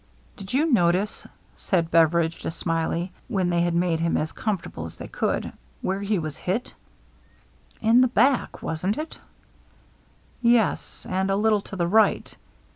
" Did you notice," said Beveridge to Smiley, when they had made him as comfortable as they could, " where he was hit ?" "In the back, wasn't it ?"" Yes, and a little to the right.